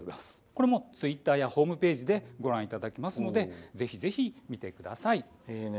これもツイッターやホームページでご覧いただけますのでぜひぜひ見てください。